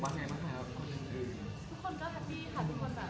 ก็อยากให้ทุกคนมองกันแบบนี้มากกว่า